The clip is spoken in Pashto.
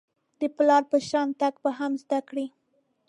د پلار په شان تګ به هم زده کړئ .